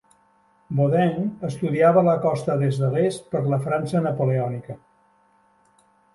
Baudin estudiava la costa des de l'est per la França napoleònica.